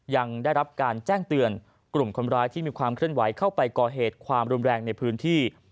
ยังได้รับการแจ้งเตือนกลุ่มคนร้ายที่มีความเคลื่อนไหวเข้าไปก่อเหตุความรุนแรงในพื้นที่